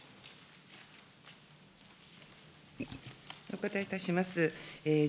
お答えいたします。